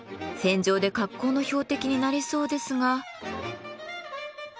戦場で格好の標的になりそうですが。